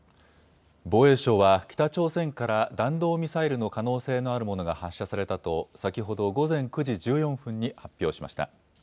防衛省は北朝鮮から弾道ミサイルの可能性のあるものが発射されたと先ほど午前９時１４分に発表しました。